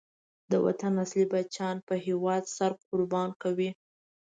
د وطن اصلی بچیان په هېواد سر قربان کوي.